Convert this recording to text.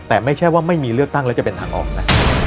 แต่ไม่ใช่ว่าไม่มีเลือกตั้งแล้วจะเป็นทางออกนะ